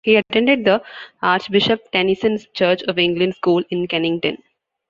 He attended the Archbishop Tenison's Church of England School in Kennington.